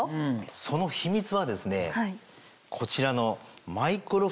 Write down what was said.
その秘密はですねこちらの。